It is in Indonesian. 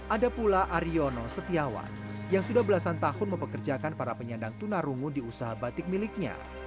ada pula aryono setiawan yang sudah belasan tahun mempekerjakan para penyandang tunarungu di usaha batik miliknya